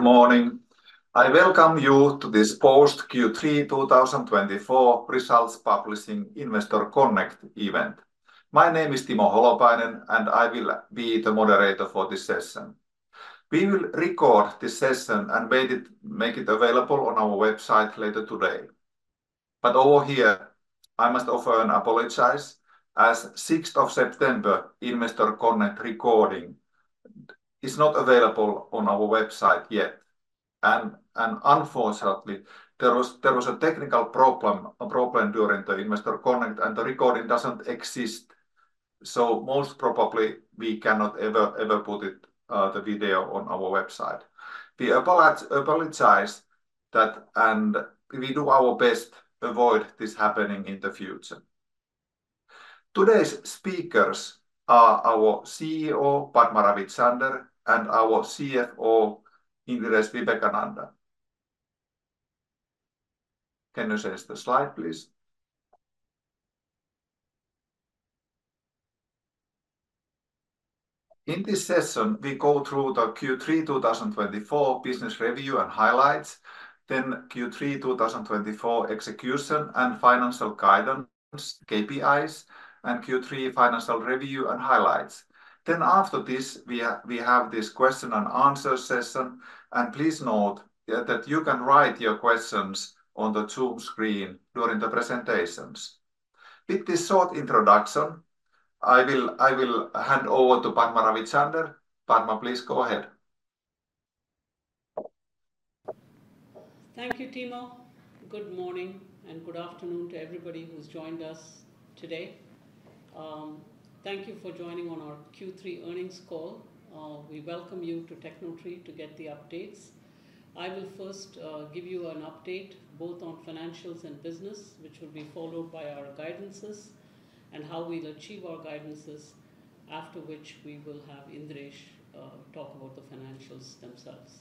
Good morning. I welcome you to this post Q3 2024 results publishing Investor Connect event. My name is Timo Holopainen, and I will be the moderator for this session. We will record this session and make it available on our website later today. Over here, I must offer an apology as 6th of September Investor Connect recording is not available on our website yet. Unfortunately, there was a technical problem during the Investor Connect, and the recording doesn't exist, so most probably we cannot ever put the video on our website. We apologize that, and we do our best to avoid this happening in the future. Today's speakers are our CEO, Padma Ravichander, and our CFO, Indiresh Vivekananda. Can you change the slide, please? In this session, we go through the Q3 2024 business review and highlights, then Q3 2024 execution and financial guidance, KPIs, and Q3 financial review and highlights. After this, we have this question and answer session, and please note that you can write your questions on the Zoom screen during the presentations. With this short introduction, I will hand over to Padma Ravichander. Padma, please go ahead. Thank you, Timo. Good morning and good afternoon to everybody who's joined us today. Thank you for joining on our Q3 earnings call. We welcome you to Tecnotree to get the updates. I will first give you an update both on financials and business, which will be followed by our guidances and how we'll achieve our guidances, after which we will have Indiresh talk about the financials themselves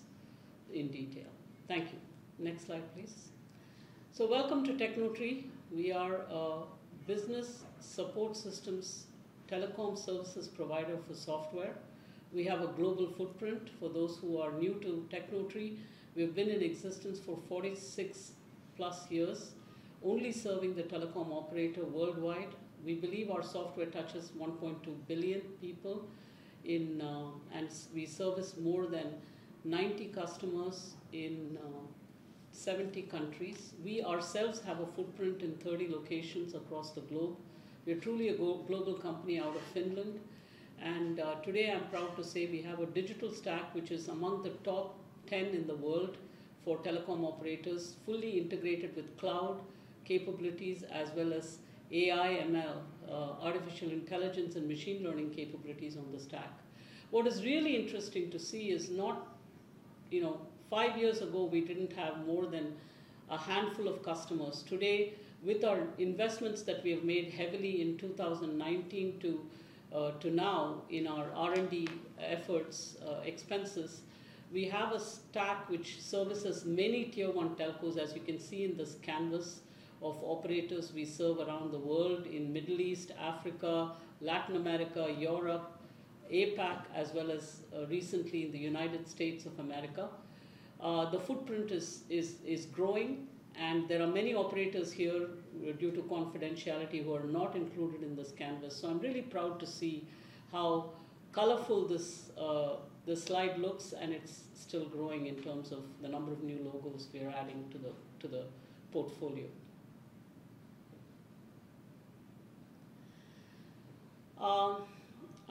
in detail. Thank you. Next slide, please. Welcome to Tecnotree. We are a business support systems telecom services provider for software. We have a global footprint. For those who are new to Tecnotree, we've been in existence for 46+ years, only serving the telecom operator worldwide. We believe our software touches 1.2 billion people. We service more than 90 customers in 70 countries. We ourselves have a footprint in 30 locations across the globe. We are truly a global company out of Finland. Today I'm proud to say we have a digital stack which is among the top 10 in the world for telecom operators, fully integrated with cloud capabilities as well as AI, ML, artificial intelligence and machine learning capabilities on the stack. What is really interesting to see is not, you know, five years ago, we didn't have more than a handful of customers. Today, with our investments that we have made heavily in 2019 to now in our R&D efforts, expenses, we have a stack which services many tier one telcos, as you can see in this canvas of operators we serve around the world in Middle East, Africa, Latin America, Europe, APAC, as well as recently in the United States of America. The footprint is growing, and there are many operators here, due to confidentiality, who are not included in this canvas. I'm really proud to see how colorful this slide looks, and it's still growing in terms of the number of new logos we are adding to the portfolio.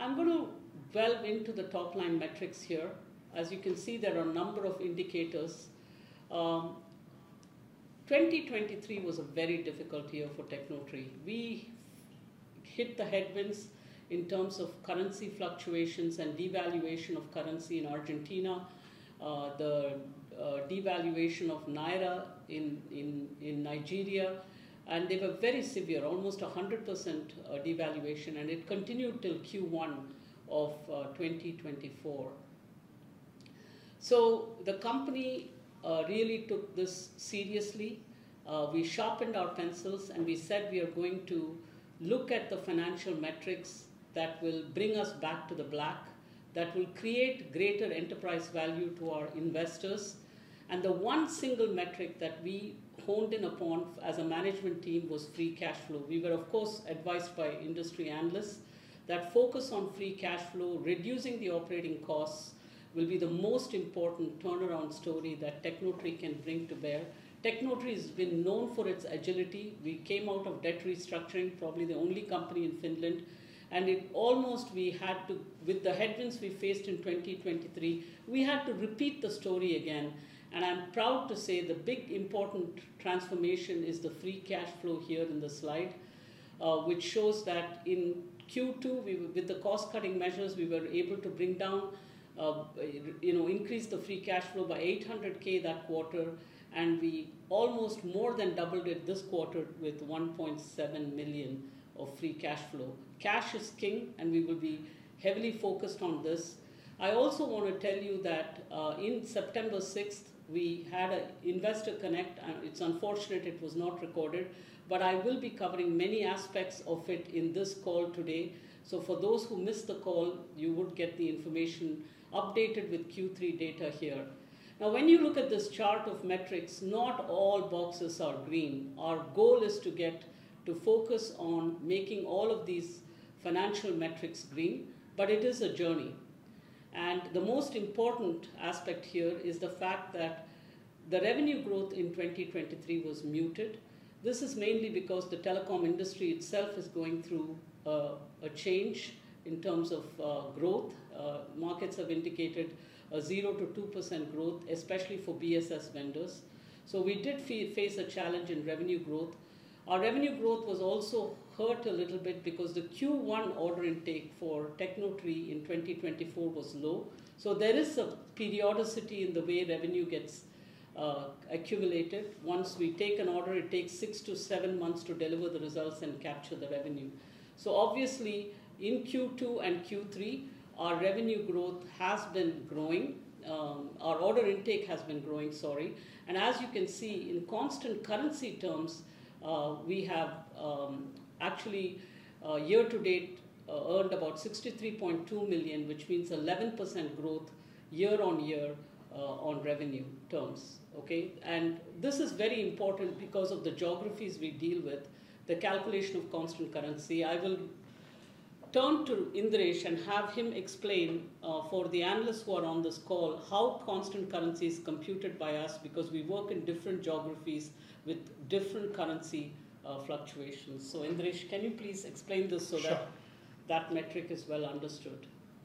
I'm gonna delve into the top-line metrics here. As you can see, there are a number of indicators. 2023 was a very difficult year for Tecnotree. We hit the headwinds in terms of currency fluctuations and devaluation of currency in Argentina, devaluation of Naira in Nigeria, and they were very severe, almost 100% devaluation, and it continued till Q1 of 2024. The company really took this seriously. We sharpened our pencils, and we said we are going to look at the financial metrics that will bring us back to the black, that will create greater enterprise value to our investors. The one single metric that we honed in upon as a management team was free cash flow. We were, of course, advised by industry analysts that focus on free cash flow, reducing the operating costs will be the most important turnaround story that Tecnotree can bring to bear. Tecnotree has been known for its agility. We came out of debt restructuring, probably the only company in Finland. With the headwinds we faced in 2023, we had to repeat the story again. I'm proud to say the big important transformation is the free cash flow here in the slide, which shows that in Q2, we with the cost-cutting measures, we were able to increase the free cash flow by 800K that quarter, and we almost more than doubled it this quarter with 1.7 million of free cash flow. Cash is King, and we will be heavily focused on this. I also wanna tell you that, in September 6, we had an Investor Connect, and it's unfortunate it was not recorded, but I will be covering many aspects of it in this call today. For those who missed the call, you would get the information updated with Q3 data here. Now, when you look at this chart of metrics, not all boxes are green. Our goal is to get to focus on making all of these financial metrics green, but it is a journey. The most important aspect here is the fact that the revenue growth in 2023 was muted. This is mainly because the telecom industry itself is going through a change in terms of growth. Markets have indicated a 0%-2% growth, especially for BSS vendors. We did face a challenge in revenue growth. Our revenue growth was also hurt a little bit because the Q1 order intake for Tecnotree in 2024 was low. There is a periodicity in the way revenue gets accumulative. Once we take an order, it takes six to seven months to deliver the results and capture the revenue. Obviously, in Q2 and Q3, our revenue growth has been growing. Our order intake has been growing, sorry. As you can see, in constant currency terms, we have actually year to date earned about 63.2 million, which means 11% growth year-on-year on revenue terms. Okay. This is very important because of the geographies we deal with, the calculation of constant currency. I will turn to Indiresh and have him explain for the analysts who are on this call, how constant currency is computed by us because we work in different geographies with different currency fluctuations. Indiresh, can you please explain this so that- Sure. That metric is well understood.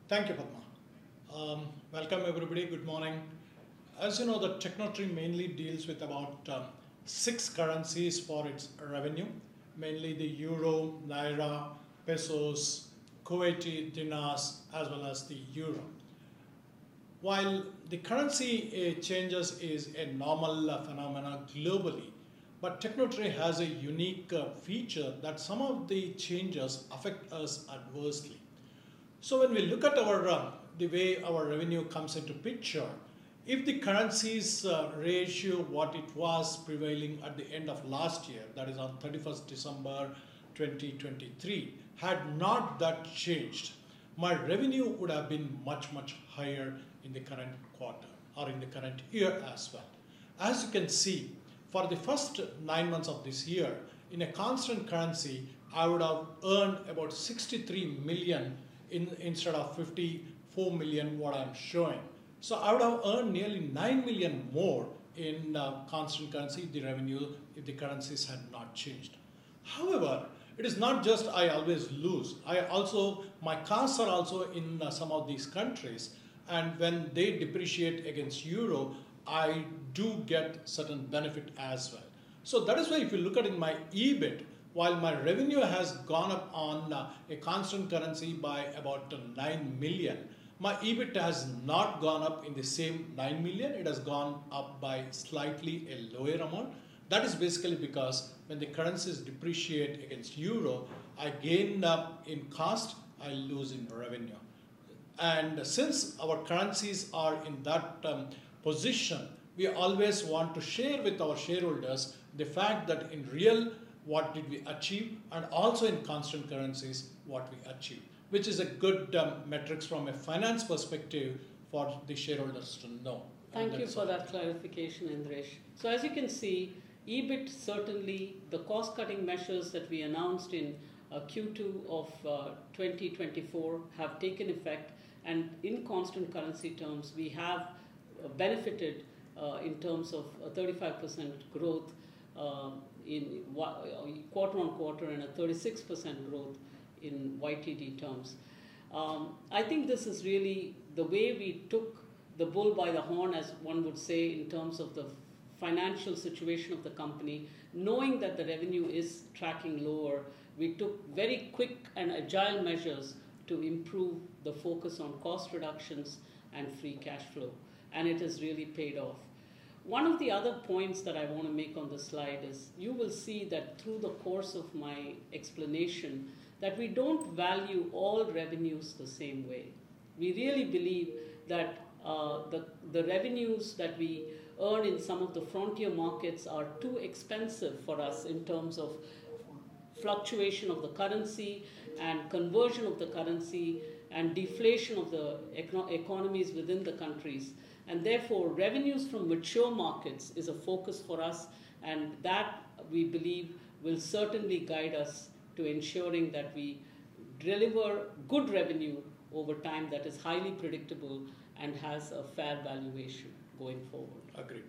Thank you, Padma. Welcome everybody. Good morning. As you know, that Tecnotree mainly deals with about, six currencies for its revenue. Mainly the euro, Naira, pesos, Kuwaiti dinars, as well as the euro. While the currency changes is a normal, phenomena globally, but Tecnotree has a unique, feature that some of the changes affect us adversely. When we look at our, the way our revenue comes into picture, if the currencies, ratio, what it was prevailing at the end of last year, that is on 31 December 2023, had not that changed, my revenue would have been much, much higher in the current quarter or in the current year as well. As you can see, for the first nine months of this year, in a constant currency, I would have earned about 63 million instead of 54 million, what I'm showing. I would have earned nearly 9 million more in constant currency, the revenue, if the currencies had not changed. It is not just I always lose. I also, my costs are also in some of these countries, and when they depreciate against euro, I do get certain benefit as well. That is why if you look at in my EBIT, while my revenue has gone up on a constant currency by about 9 million, my EBIT has not gone up in the same 9 million. It has gone up by slightly a lower amount. That is basically because when the currencies depreciate against euro, I gained up in cost, I lose in revenue. Since our currencies are in that position, we always want to share with our shareholders the fact that in real, what did we achieve, and also in constant currencies, what we achieve, which is a good metric from a finance perspective for the shareholders to know. Thank you for that clarification, Indiresh. As you can see, EBIT certainly, the cost-cutting measures that we announced in Q2 of 2024 have taken effect. In constant currency terms, we have benefited in terms of 35% growth in quarter-on-quarter and 36% growth in YTD terms. I think this is really the way we took the bull by the horn, as one would say, in terms of the financial situation of the company. Knowing that the revenue is tracking lower, we took very quick and agile measures to improve the focus on cost reductions and free cash flow, and it has really paid off. One of the other points that I wanna make on this slide is, you will see that through the course of my explanation, that we don't value all revenues the same way. We really believe that the revenues that we earn in some of the frontier markets are too expensive for us in terms of fluctuation of the currency and conversion of the currency and deflation of the economies within the countries. Therefore, revenues from mature markets is a focus for us, and that, we believe, will certainly guide us to ensuring that we deliver good revenue over time that is highly predictable and has a fair valuation going forward. Agreed.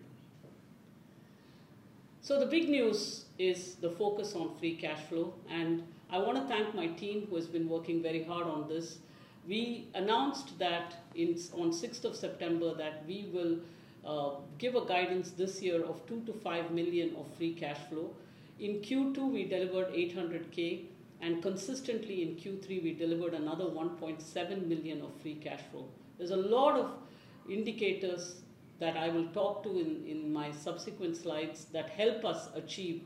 The big news is the focus on free cash flow, and I wanna thank my team who has been working very hard on this. We announced that on the sixth of September that we will give a guidance this year of 2 million-5 million of free cash flow. In Q2, we delivered 800K, and consistently in Q3, we delivered another 1.7 million of free cash flow. There's a lot of indicators that I will talk to in my subsequent slides that help us achieve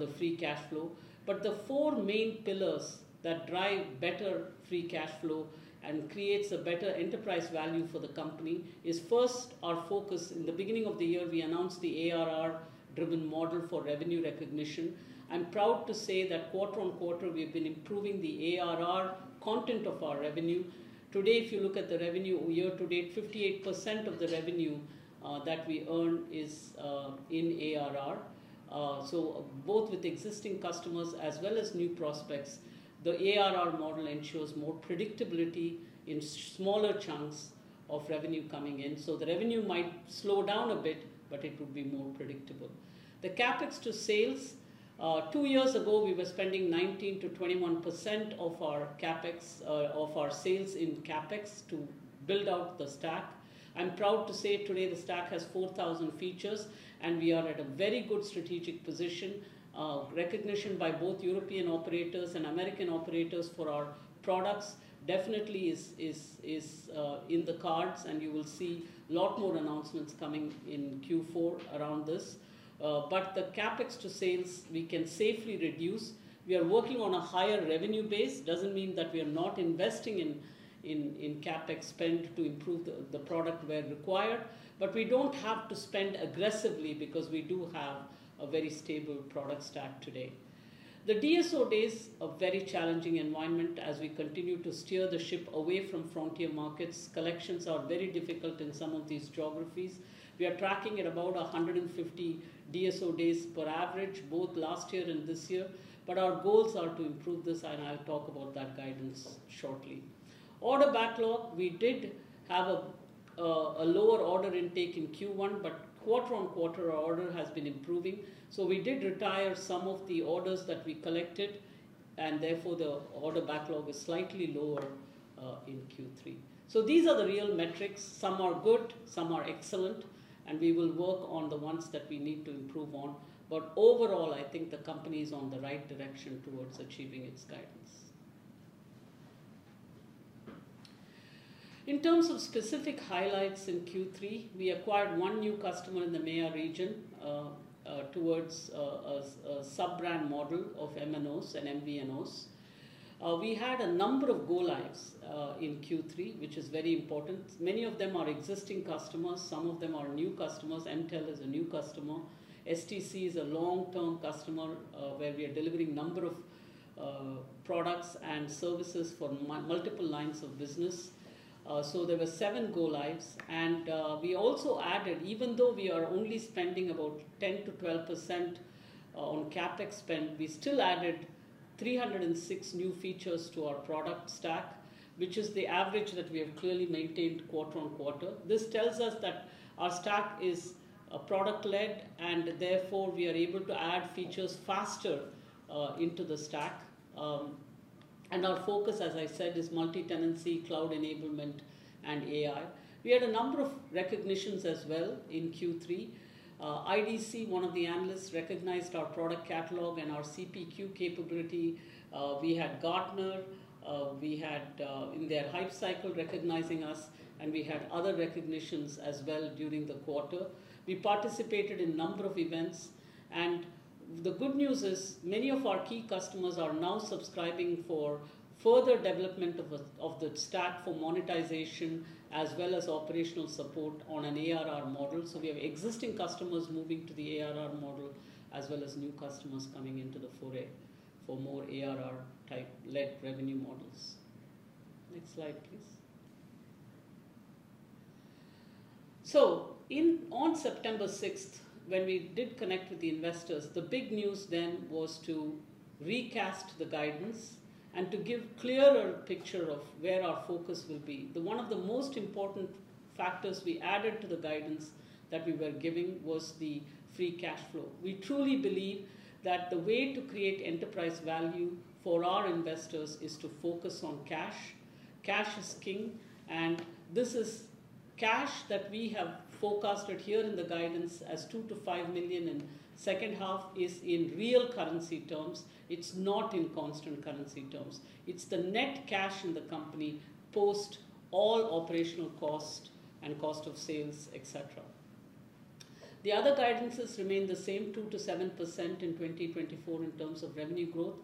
the free cash flow. The four main pillars that drive better free cash flow and creates a better enterprise value for the company is first our focus. In the beginning of the year, we announced the ARR-driven model for revenue recognition. I'm proud to say that quarter-on-quarter we've been improving the ARR content of our revenue. Today, if you look at the revenue year to date, 58% of the revenue that we earn is in ARR. So both with existing customers as well as new prospects, the ARR model ensures more predictability in smaller chunks of revenue coming in. The revenue might slow down a bit but it would be more predictable. The CapEx to sales, two years ago we were spending 19%-21% of our CapEx of our sales in CapEx to build out the stack. I'm proud to say today the stack has 4,000 features, and we are at a very good strategic position. Recognition by both European operators and American operators for our products definitely is in the cards, and you will see a lot more announcements coming in Q4 around this. The CapEx to sales we can safely reduce. We are working on a higher revenue base. Doesn't mean that we are not investing in CapEx spend to improve the product where required. We don't have to spend aggressively because we do have a very stable product stack today. The DSO days a very challenging environment as we continue to steer the ship away from frontier markets. Collections are very difficult in some of these geographies. We are tracking at about 150 DSO days on average, both last year and this year, but our goals are to improve this, and I'll talk about that guidance shortly. Order backlog, we did have a lower order intake in Q1, but quarter-on-quarter our order has been improving, so we did retire some of the orders that we collected, and therefore, the order backlog is slightly lower in Q3. These are the real metrics. Some are good, some are excellent, and we will work on the ones that we need to improve on. Overall, I think the company is on the right direction towards achieving its guidance. In terms of specific highlights in Q3, we acquired one new customer in the MEA region towards a sub-brand model of MNOs and MVNOs. We had a number of go-lives in Q3, which is very important. Many of them are existing customers, some of them are new customers. MTEL is a new customer. STC is a long-term customer, where we are delivering number of products and services for multiple lines of business. There were 7 go-lives. We also added, even though we are only spending about 10%-12% on CapEx spend, we still added 306 new features to our product stack, which is the average that we have clearly maintained quarter-on-quarter. This tells us that our stack is product-led, and therefore, we are able to add features faster into the stack. Our focus, as I said, is multi-tenancy, cloud enablement, and AI. We had a number of recognitions as well in Q3. IDC, one of the analysts, recognized our product catalog and our CPQ capability. We had Gartner in their Hype Cycle recognizing us, and we had other recognitions as well during the quarter. We participated in number of events, and the good news is many of our key customers are now subscribing for further development of the stack for monetization, as well as operational support on an ARR model. We have existing customers moving to the ARR model, as well as new customers coming into the foray for more ARR type led revenue models. Next slide, please. On September 6, when we did connect with the investors, the big news then was to recast the guidance and to give clearer picture of where our focus will be. One of the most important factors we added to the guidance that we were giving was the free cash flow. We truly believe that the way to create enterprise value for our investors is to focus on cash. Cash is King, and this is cash that we have forecasted here in the guidance as 2-5 million in second half in real currency terms. It's not in constant currency terms. It's the net cash in the company post all operational cost and cost of sales, et cetera. The other guidances remain the same, 2%-7% in 2024 in terms of revenue growth.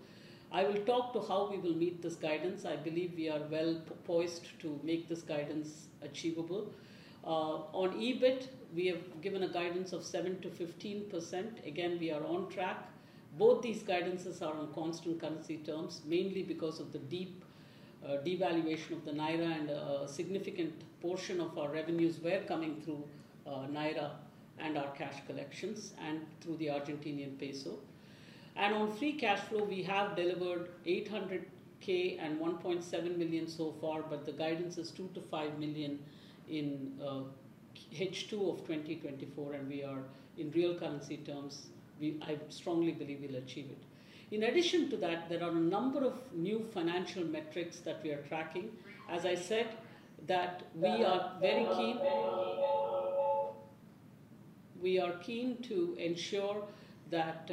I will talk to how we will meet this guidance. I believe we are well poised to make this guidance achievable. On EBIT, we have given a guidance of 7%-15%. Again, we are on track. Both these guidances are on constant currency terms, mainly because of the deep devaluation of the Naira and a significant portion of our revenues were coming through Naira and our cash collections and through the Argentine peso. On free cash flow, we have delivered 800K and 1.7 million so far, but the guidance is 2 million-5 million in H2 of 2024, and we are in real currency terms, I strongly believe we'll achieve it. In addition to that, there are a number of new financial metrics that we are tracking. We are keen to ensure that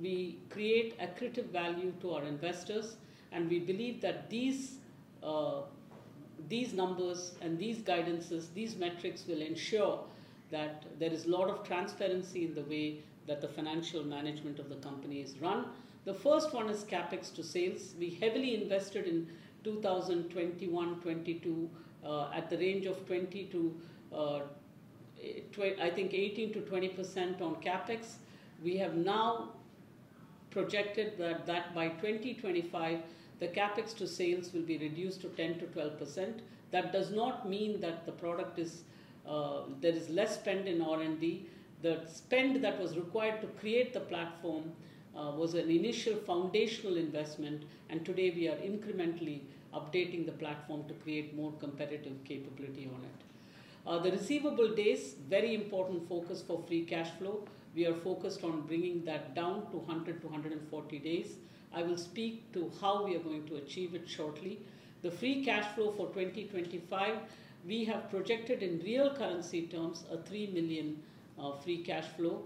we create accretive value to our investors, and we believe that these numbers and these guidances, these metrics will ensure that there is a lot of transparency in the way that the financial management of the company is run. The first one is CapEx to sales. We heavily invested in 2021, 2022 at the range of 20 to I think 18%-20% on CapEx. We have now projected that by 2025, the CapEx to sales will be reduced to 10%-12%. That does not mean that there is less spend in R&D. The spend that was required to create the platform was an initial foundational investment, and today we are incrementally updating the platform to create more competitive capability on it. The receivable days, very important focus for free cash flow. We are focused on bringing that down to 100-140 days. I will speak to how we are going to achieve it shortly. The free cash flow for 2025, we have projected in real currency terms, 3 million free cash flow.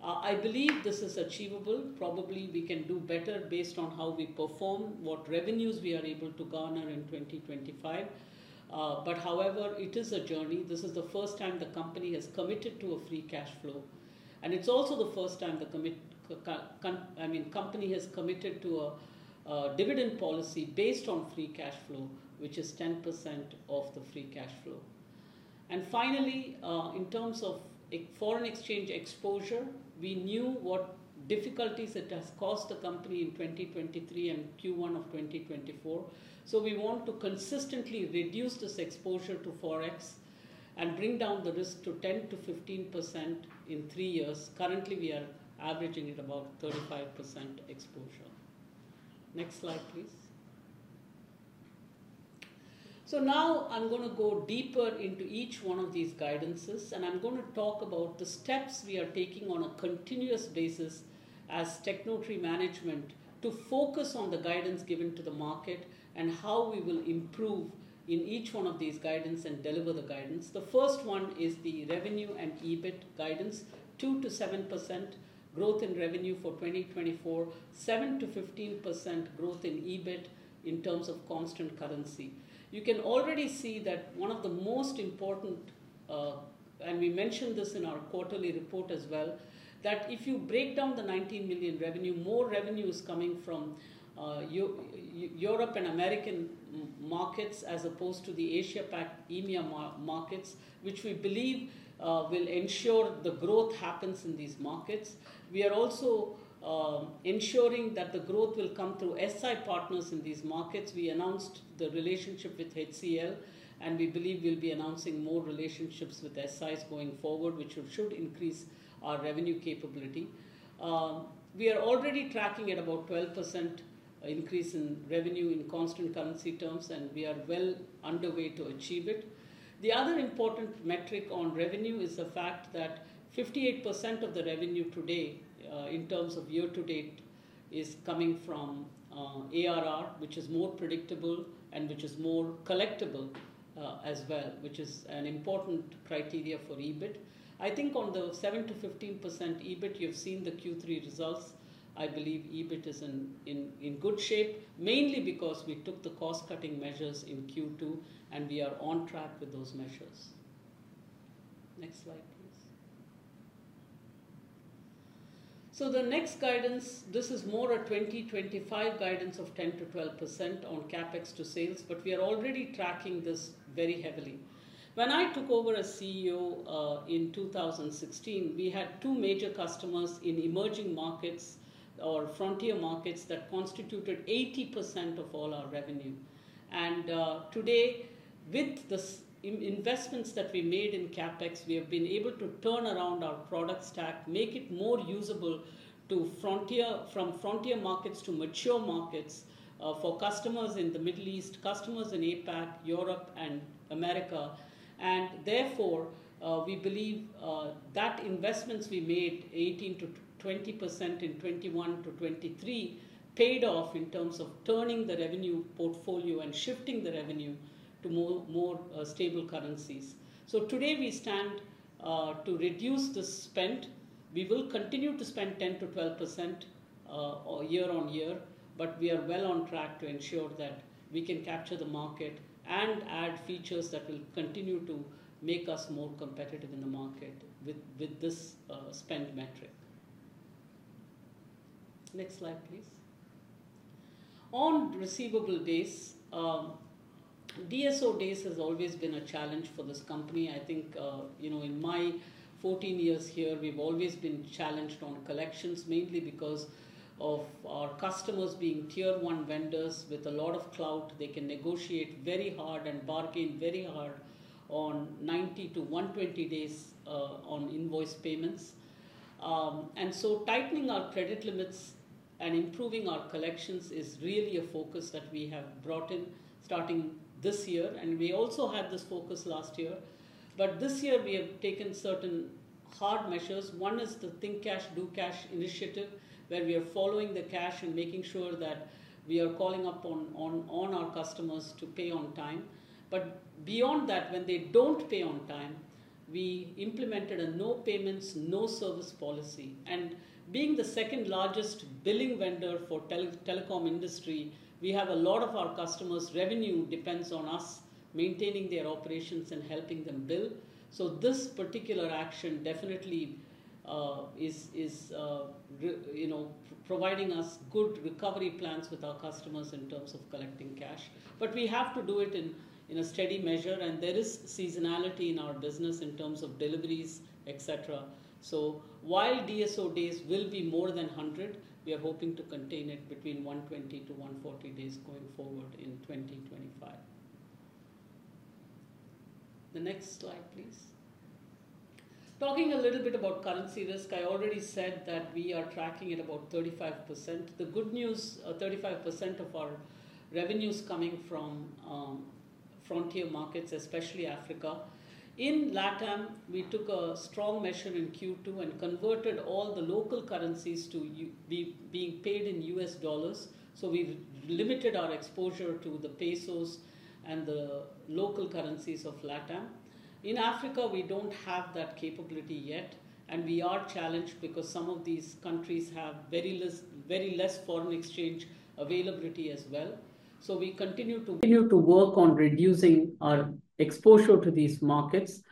I believe this is achievable. Probably we can do better based on how we perform, what revenues we are able to garner in 2025. However, it is a journey. This is the first time the company has committed to a free cash flow, and it's also the first time the company has committed to a dividend policy based on free cash flow, which is 10% of the free cash flow. Finally, in terms of foreign exchange exposure, we knew what difficulties it has caused the company in 2023 and Q1 of 2024. We want to consistently reduce this exposure to Forex and bring down the risk to 10%-15% in three years. Currently, we are averaging at about 35% exposure. Next slide, please. Now I'm gonna go deeper into each one of these guidances, and I'm gonna talk about the steps we are taking on a continuous basis as Tecnotree management to focus on the guidance given to the market and how we will improve in each one of these guidance and deliver the guidance. The first one is the revenue and EBIT guidance. 2%-7% growth in revenue for 2024, 7%-15% growth in EBIT in terms of constant currency. You can already see that one of the most important, and we mentioned this in our quarterly report as well, that if you break down the 19 million revenue, more revenue is coming from Europe and American markets, as opposed to the AsiaPac, EMEA markets, which we believe will ensure the growth happens in these markets. We are also ensuring that the growth will come through SI partners in these markets. We announced the relationship with HCL, and we believe we'll be announcing more relationships with SIs going forward, which should increase our revenue capability. We are already tracking at about 12% increase in revenue in constant currency terms, and we are well underway to achieve it. The other important metric on revenue is the fact that 58% of the revenue today, in terms of year to date, is coming from ARR, which is more predictable and which is more collectible, as well, which is an important criteria for EBIT. I think on the 7%-15% EBIT, you've seen the Q3 results. I believe EBIT is in good shape, mainly because we took the cost-cutting measures in Q2, and we are on track with those measures. Next slide, please. The next guidance, this is more a 2025 guidance of 10%-12% on CapEx to sales, but we are already tracking this very heavily. When I took over as CEO in 2016, we had two major customers in emerging markets or frontier markets that constituted 80% of all our revenue. Today, with these investments that we made in CapEx, we have been able to turn around our product stack, make it more usable from frontier markets to mature markets for customers in the Middle East, customers in APAC, Europe, and America. We believe that investments we made, 18%-20% in 2021-2023, paid off in terms of turning the revenue portfolio and shifting the revenue to more stable currencies. Today we stand to reduce the spend. We will continue to spend 10%-12% year-on-year, but we are well on track to ensure that we can capture the market and add features that will continue to make us more competitive in the market with this spend metric. Next slide, please. On receivable days, DSO days has always been a challenge for this company. I think, you know, in my 14 years here, we've always been challenged on collections, mainly because of our customers being tier one vendors with a lot of clout. They can negotiate very hard and bargain very hard on 90-120 days on invoice payments. Tightening our credit limits and improving our collections is really a focus that we have brought in starting this year, and we also had this focus last year. This year, we have taken certain hard measures. One is the Think Cash Do Cash initiative, where we are following the cash and making sure that we are calling up on our customers to pay on time. Beyond that, when they don't pay on time, we implemented a no payments, no service policy. Being the second largest billing vendor for telecom industry, we have a lot of our customers' revenue depends on us maintaining their operations and helping them bill. This particular action definitely is, you know, providing us good recovery plans with our customers in terms of collecting cash. We have to do it in a steady measure, and there is seasonality in our business in terms of deliveries, et cetera. While DSO days will be more than 100, we are hoping to contain it between 120-140 days going forward in 2025. The next slide, please. Talking a little bit about currency risk, I already said that we are tracking at about 35%. The good news, 35% of our revenue is coming from frontier markets, especially Africa. In LATAM, we took a strong measure in Q2 and converted all the local currencies to USD being paid in US dollars. We've limited our exposure to the pesos and the local currencies of LATAM. In Africa, we don't have that capability yet, and we are challenged because some of these countries have very less foreign exchange availability as well. We continue to work on reducing our exposure to these markets.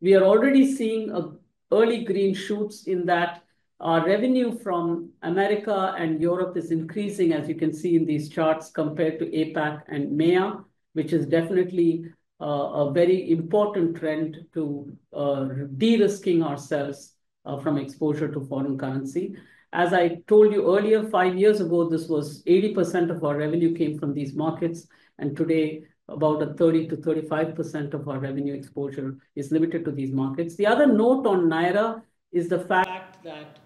We are already seeing an early green shoots in that our revenue from America and Europe is increasing, as you can see in these charts, compared to APAC and MEA, which is definitely a very important trend to de-risking ourselves from exposure to foreign currency. As I told you earlier, five years ago, this was 80% of our revenue came from these markets, and today about a 30%-35% of our revenue exposure is limited to these markets. The other note on Naira is the fact that,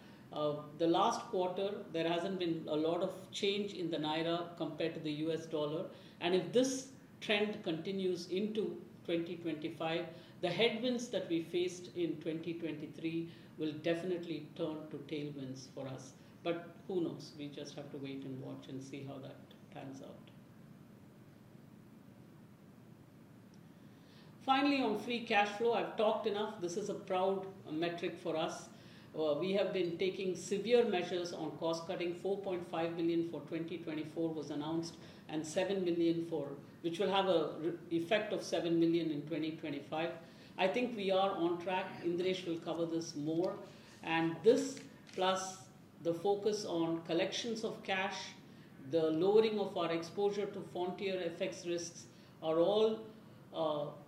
the last quarter there hasn't been a lot of change in the Naira compared to the US dollar, and if this trend continues into 2025, the headwinds that we faced in 2023 will definitely turn to tailwinds for us. Who knows? We just have to wait and watch and see how that pans out. Finally, on free cash flow, I've talked enough. This is a proud metric for us. We have been taking severe measures on cost-cutting. 4.5 billion for 2024 was announced, and 7 billion, which will have an effect of 7 billion in 2025. I think we are on track. Indiresh will cover this more. This plus the focus on collections of cash, the lowering of our exposure to frontier FX risks are all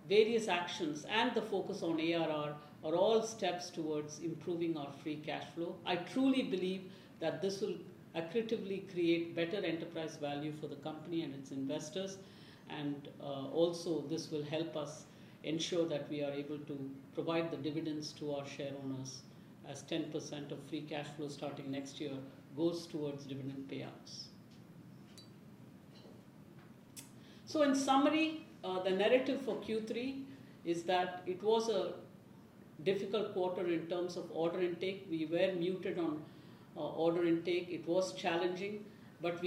various actions, and the focus on ARR are all steps towards improving our free cash flow. I truly believe that this will accretively create better enterprise value for the company and its investors, and also this will help us ensure that we are able to provide the dividends to our share owners as 10% of free cash flow starting next year goes towards dividend payouts. In summary, the narrative for Q3 is that it was a difficult quarter in terms of order intake. We were muted on order intake. It was challenging, but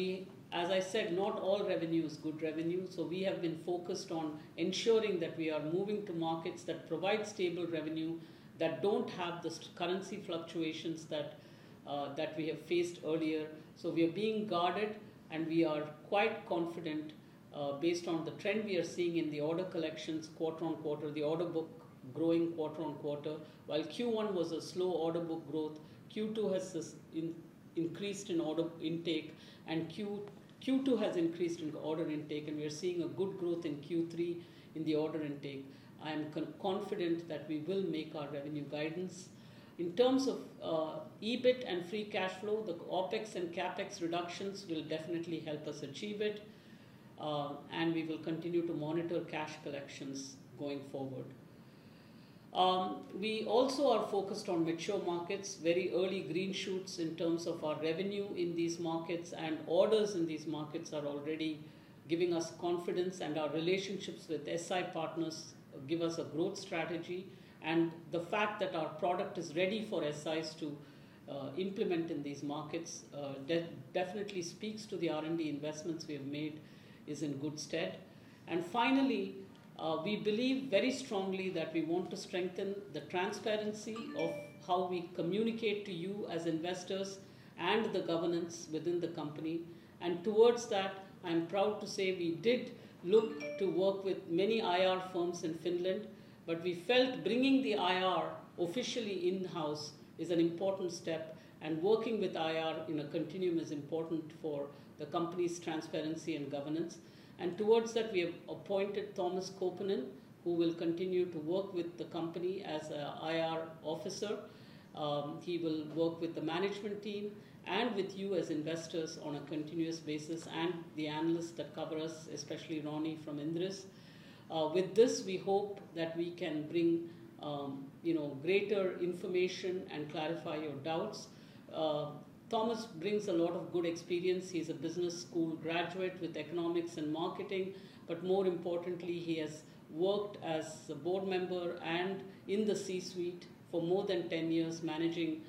as I said, not all revenue is good revenue. We have been focused on ensuring that we are moving to markets that provide stable revenue, that don't have the currency fluctuations that we have faced earlier. We are being guarded, and we are quite confident based on the trend we are seeing in the order collections quarter-on-quarter, the order book growing quarter-on-quarter. While Q1 was a slow order book growth, Q2 has increased in order intake, and we are seeing a good growth in Q3 in the order intake. I am confident that we will make our revenue guidance. In terms of EBIT and free cash flow, the OpEx and CapEx reductions will definitely help us achieve it, and we will continue to monitor cash collections going forward. We also are focused on mature markets. Very early green shoots in terms of our revenue in these markets and orders in these markets are already giving us confidence, and our relationships with SI partners give us a growth strategy. The fact that our product is ready for SIs to implement in these markets definitely speaks to the R&D investments we have made is in good stead. Finally, we believe very strongly that we want to strengthen the transparency of how we communicate to you as investors and the governance within the company. Towards that, I'm proud to say we did look to work with many IR firms in Finland, but we felt bringing the IR officially in-house is an important step, and working with IR in a continuum is important for the company's transparency and governance. Towards that, we have appointed Tuomas Koponen, who will continue to work with the company as a IR officer. He will work with the management team and with you as investors on a continuous basis and the analysts that cover us, especially Roni from Inderes. With this, we hope that we can bring you know, greater information and clarify your doubts. Tuomas brings a lot of good experience. He's a business school graduate with economics and marketing, but more importantly, he has worked as a board member and in the C-suite for more than 10 years managing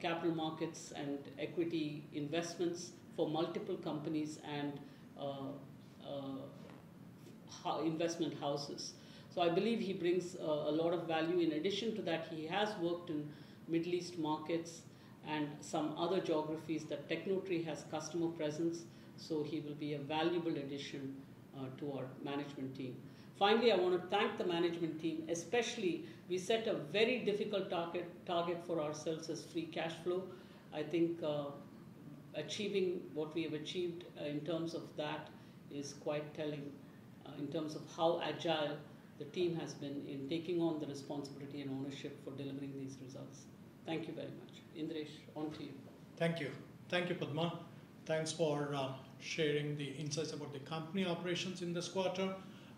capital markets and equity investments for multiple companies and investment houses. I believe he brings a lot of value. In addition to that, he has worked in Middle East markets and some other geographies that Tecnotree has customer presence, so he will be a valuable addition to our management team. Finally, I wanna thank the management team, especially we set a very difficult target for ourselves as free cash flow. I think, achieving what we have achieved, in terms of that is quite telling, in terms of how agile the team has been in taking on the responsibility and ownership for delivering these results. Thank you very much. Indiresh, on to you. Thank you. Thank you, Padma. Thanks for sharing the insights about the company operations in this quarter.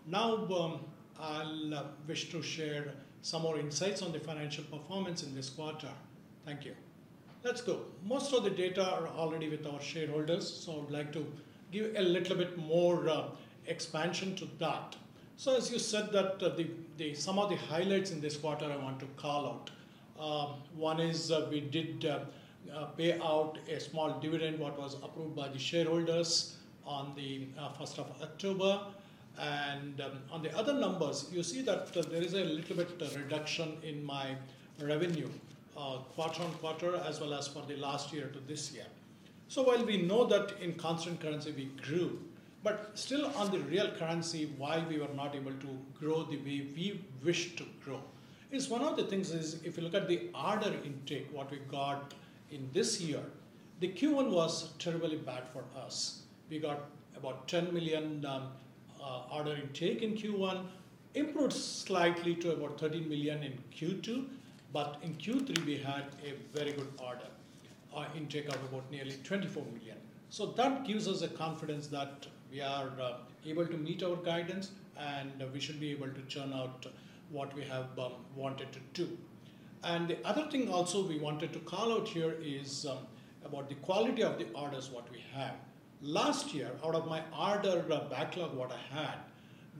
Now, I'll wish to share some more insights on the financial performance in this quarter. Thank you. Let's go. Most of the data are already with our shareholders, so I would like to give a little bit more expansion to that. Some of the highlights in this quarter I want to call out. One is we did pay out a small dividend what was approved by the shareholders on the first of October. On the other numbers, you see that there is a little bit reduction in my revenue quarter-over-quarter, as well as for the last year to this year. While we know that in constant currency we grew, but still on the real currency, while we were not able to grow the way we wish to grow, is one of the things, if you look at the order intake, what we got in this year, the Q1 was terribly bad for us. We got about 10 million order intake in Q1, improved slightly to about 13 million in Q2, but in Q3 we had a very good order intake of about nearly 24 million. That gives us a confidence that we are able to meet our guidance, and we should be able to churn out what we have wanted to do. The other thing also we wanted to call out here is about the quality of the orders what we have. Last year, out of my order backlog what I had,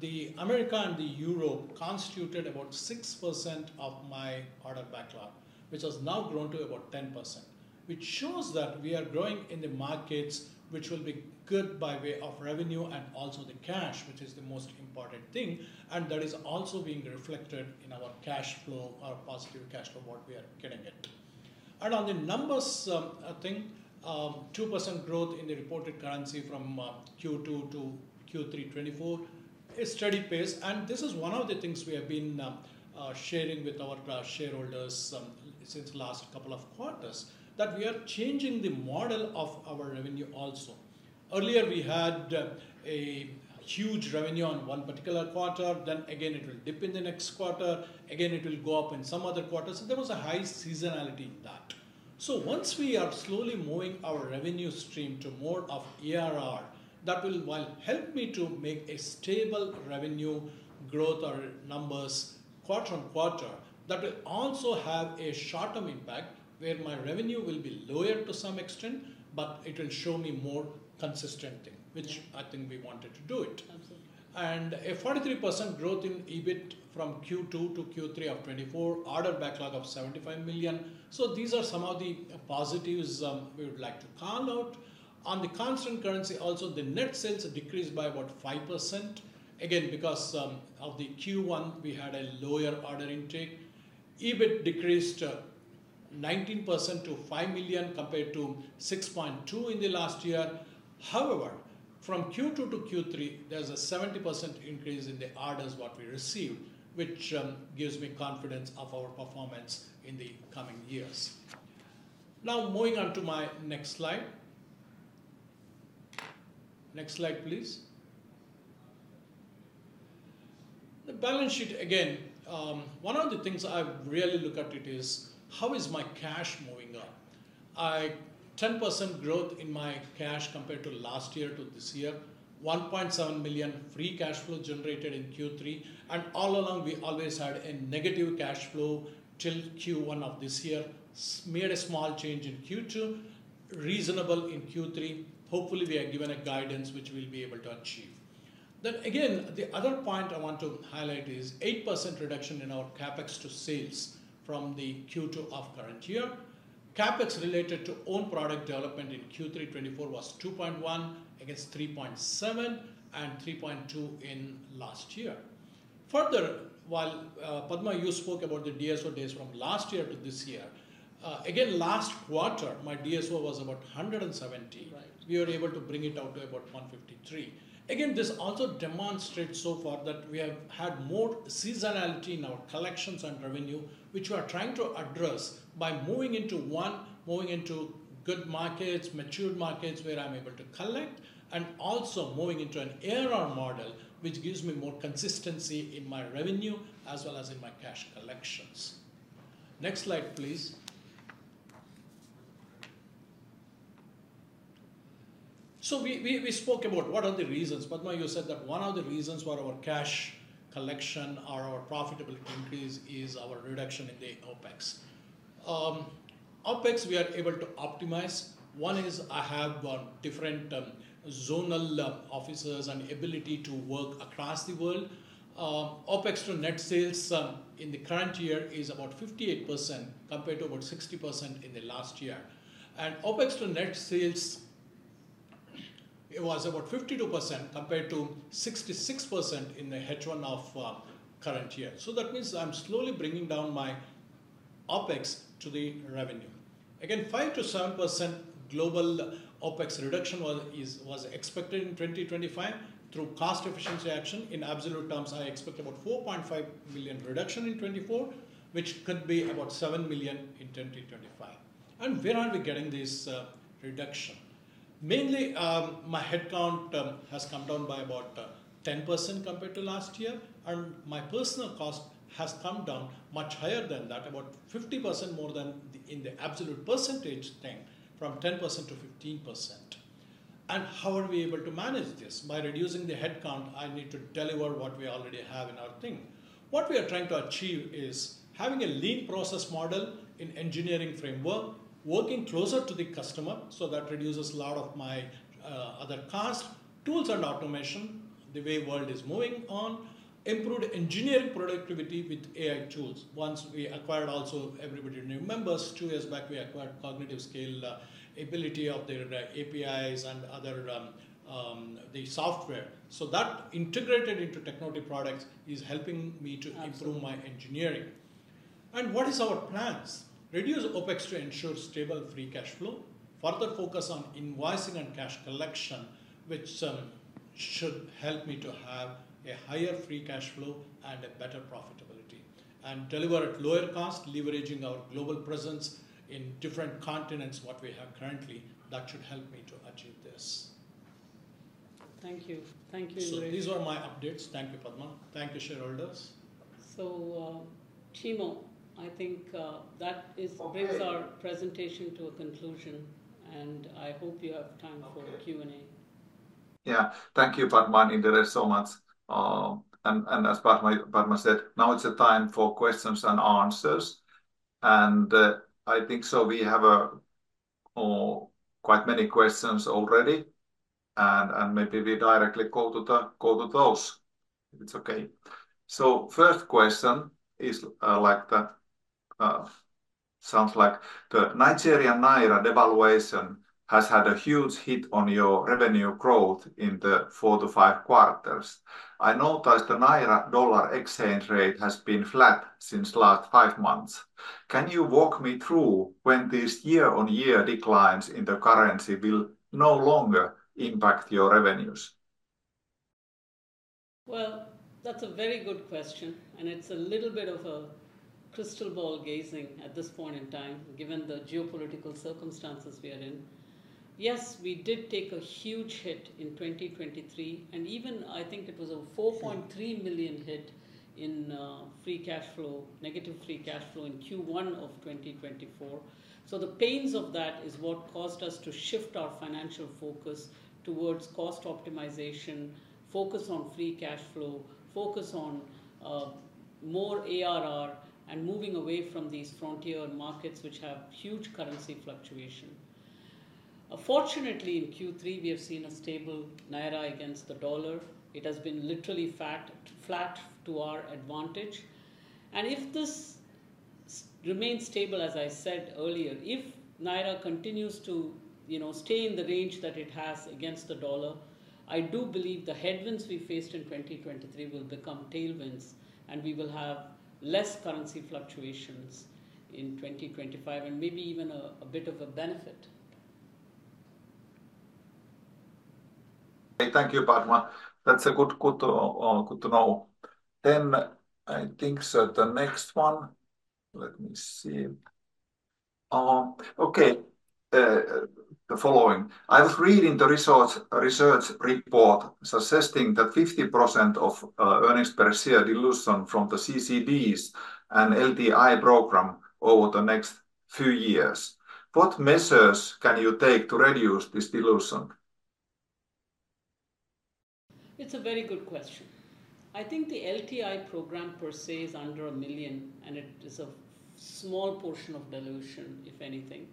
the Americas and Europe constituted about 6% of my order backlog, which has now grown to about 10%, which shows that we are growing in the markets, which will be good by way of revenue and also the cash, which is the most important thing, and that is also being reflected in our cash flow, our positive cash flow, what we are getting it. On the numbers, I think, 2% growth in the reported currency from Q2 to Q3 2024 is steady pace. This is one of the things we have been sharing with our shareholders since last couple of quarters, that we are changing the model of our revenue also. Earlier, we had a huge revenue on one particular quarter, then again it will dip in the next quarter, again it will go up in some other quarters. There was a high seasonality in that. Once we are slowly moving our revenue stream to more of ARR, that will while help me to make a stable revenue growth or numbers quarter-on-quarter, that will also have a short-term impact where my revenue will be lower to some extent, but it will show me more consistent thing. Yeah, which I think we wanted to do it. Absolutely. A 43% growth in EBIT from Q2 to Q3 of 2024. Order backlog of 75 million. These are some of the positives we would like to call out. On the constant currency also, the net sales decreased by about 5%, again, because of the Q1 we had a lower order intake. EBIT decreased 19% to 5 million compared to 6.2 million in the last year. However, from Q2 to Q3, there's a 70% increase in the orders what we received, which gives me confidence of our performance in the coming years. Now moving on to my next slide. Next slide, please. The balance sheet. Again, one of the things I really look at is, how is my cash moving up? 10% growth in my cash compared to last year to this year. 1.7 million free cash flow generated in Q3, and all along we always had a negative cash flow till Q1 of this year. We made a small change in Q2, reasonable in Q3. Hopefully, we are given a guidance which we'll be able to achieve. Again, the other point I want to highlight is 8% reduction in our CapEx to sales from the Q2 of current year. CapEx related to own product development in Q3 2024 was 2.1 against 3.7, and 3.2 in last year. Further, while, Padma, you spoke about the DSO days from last year to this year, again, last quarter my DSO was about 170. Right. We were able to bring it down to about 153. Again, this also demonstrates so far that we have had more seasonality in our collections and revenue, which we are trying to address by moving into, one, moving into good markets, mature markets where I'm able to collect, and also moving into an ARR model, which gives me more consistency in my revenue as well as in my cash collections. Next slide, please. We spoke about what are the reasons. Padma, you said that one of the reasons for our cash collection or our profitable increase is our reduction in the OpEx. OpEx we are able to optimize. One is I have different zonal officers and ability to work across the world. OpEx to net sales in the current year is about 58% compared to about 60% in the last year. OpEx to net sales, it was about 52% compared to 66% in the H1 of current year. That means I'm slowly bringing down my OpEx to the revenue. Again, 5%-7% global OpEx reduction was expected in 2025 through cost efficiency action. In absolute terms, I expect about 4.5 million reduction in 2024, which could be about 7 million in 2025. Where are we getting this reduction? Mainly, my headcount has come down by about 10% compared to last year, and my personnel cost has come down much higher than that, about 50% more than in the absolute percentage thing, from 10% to 15%. How are we able to manage this? By reducing the headcount I need to deliver what we already have in our team. What we are trying to achieve is having a lean process model in engineering framework, working closer to the customer, so that reduces a lot of my other costs. Tools and automation, the way world is moving on. Improved engineering productivity with AI tools. Once also everybody remembers two years back, we acquired CognitiveScale, ability of their APIs and other the software. That integrated into Tecnotree products is helping me to improve. Absolutely My engineering. What is our plans? Reduce OpEx to ensure stable free cash flow. Further focus on invoicing and cash collection, which should help me to have a higher free cash flow and a better profitability. Deliver at lower cost, leveraging our global presence in different continents what we have currently. That should help me to achieve this. Thank you. Thank you, Indiresh. These are my updates. Thank you, Padma. Thank you, shareholders. Timo, I think that is- Okay brings our presentation to a conclusion, and I hope you have time for Q&A. Yeah. Thank you, Padma and Indiresh, so much. As Padma said, now is the time for questions and answers. I think we have quite many questions already, and maybe we directly go to those, if it's okay. First question is like, "The Nigerian Naira devaluation has had a huge hit on your revenue growth in the four to five quarters. I noticed the Naira-dollar exchange rate has been flat since last five months. Can you walk me through when these year-on-year declines in the currency will no longer impact your revenues? Well, that's a very good question, and it's a little bit of a crystal ball gazing at this point in time, given the geopolitical circumstances we are in. Yes, we did take a huge hit in 2023, and even I think it was a 4.3 million hit in free cash flow, negative free cash flow in Q1 of 2024. The pains of that is what caused us to shift our financial focus towards cost optimization, focus on free cash flow, focus on more ARR, and moving away from these frontier markets which have huge currency fluctuation. Fortunately, in Q3, we have seen a stable Naira against the dollar. It has been literally flat to our advantage. If this remains stable, as I said earlier, if Naira continues to, you know, stay in the range that it has against the dollar, I do believe the headwinds we faced in 2023 will become tailwinds, and we will have less currency fluctuations in 2025 and maybe even a bit of a benefit. Thank you, Padma. That's good to know. I think the next one, let me see. The following: "I was reading the research report suggesting that 50% of earnings per share dilution from the CCDs and LTI program over the next few years. What measures can you take to reduce this dilution? It's a very good question. I think the LTI program per se is under 1 million, and it is a small portion of dilution, if anything.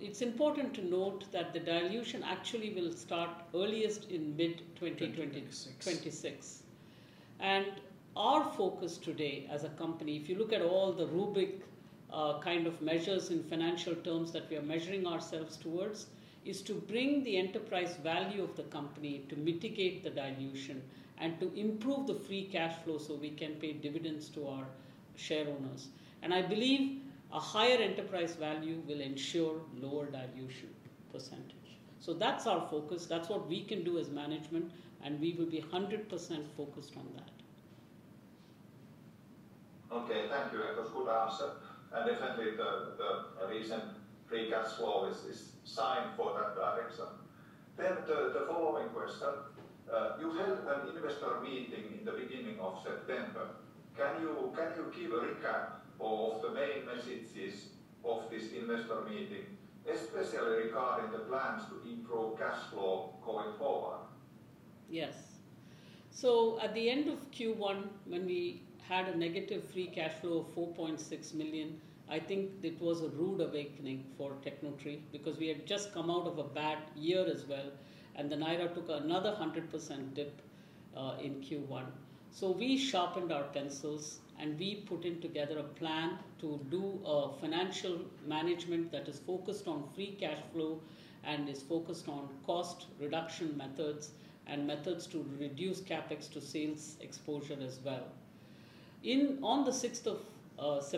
It's important to note that the dilution actually will start earliest in mid-2024. 2026 26. Our focus today as a company, if you look at all the rubric, kind of measures in financial terms that we are measuring ourselves towards, is to bring the enterprise value of the company to mitigate the dilution and to improve the free cash flow so we can pay dividends to our share owners. I believe a higher enterprise value will ensure lower dilution percentage. That's our focus. That's what we can do as management, and we will be 100% focused on that. Okay. Thank you. That was a good answer. Definitely the recent free cash flow is a sign for that direction. The following question: "You held an investor meeting in the beginning of September. Can you give a recap of the main messages of this investor meeting, especially regarding the plans to improve cash flow going forward? Yes. At the end of Q1, when we had a negative free cash flow of 4.6 million, I think it was a rude awakening for Tecnotree because we had just come out of a bad year as well, and the Naira took another 100% dip in Q1. We sharpened our pencils, and we put in together a plan to do a financial management that is focused on free cash flow and is focused on cost reduction methods and methods to reduce CapEx-to-sales exposure as well. In on the September 6,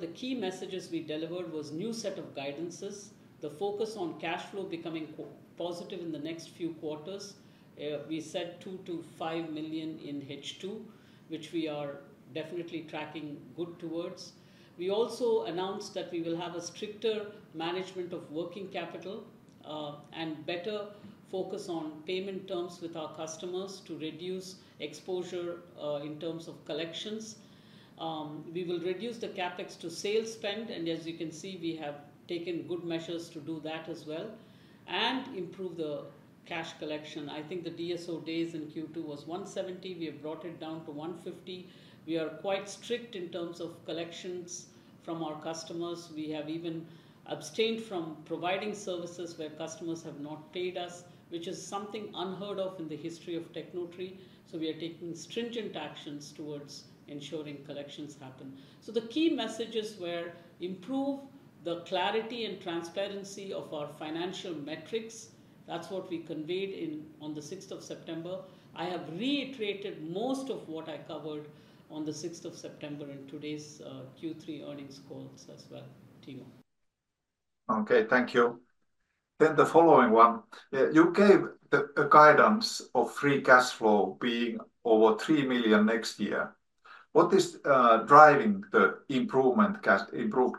the key messages we delivered was new set of guidances. The focus on cash flow becoming positive in the next few quarters. We said 2 million-5 million in H2, which we are definitely tracking good towards. We also announced that we will have a stricter management of working capital, and better focus on payment terms with our customers to reduce exposure, in terms of collections. We will reduce the CapEx to sales spend, and as you can see, we have taken good measures to do that as well and improve the cash collection. I think the DSO days in Q2 was 170. We have brought it down to 150. We are quite strict in terms of collections from our customers. We have even abstained from providing services where customers have not paid us, which is something unheard of in the history of Tecnotree. We are taking stringent actions towards ensuring collections happen. The key messages were improve the clarity and transparency of our financial metrics. That's what we conveyed in on the 6th September. I have reiterated most of what I covered on the September 6 in today's Q3 earnings calls as well, Timo. Okay. Thank you. The following one. You gave the guidance of free cash flow being over 3 million next year. What is driving the improved